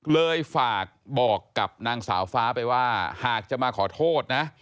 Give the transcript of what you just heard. เลยฝากบอกกับนางสาวฟ้าไปว่าหากจะมาขอโทษนะ